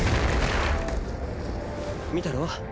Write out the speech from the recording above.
見たろ？